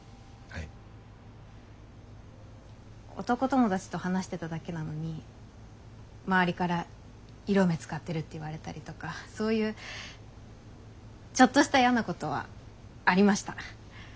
男友達と話してただけなのに周りから「色目使ってる」って言われたりとかそういうちょっとした嫌なことはありました。